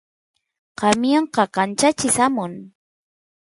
camionqa kanchachis amun